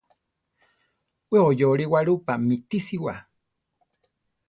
We oyore Guarupa mitisiwa.